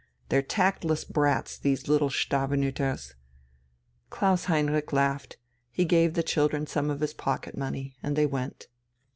They're tactless brats, these little Stavenüters." Klaus Heinrich laughed, he gave the children some of his pocket money, and they went.